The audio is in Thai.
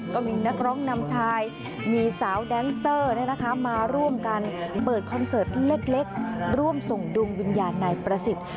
ก็มีนักร้องนำชายมีสาวแดนเซอร์มาร่วมกันเปิดคอนเสิร์ตเล็กร่วมส่งดวงวิญญาณนายประสิทธิ์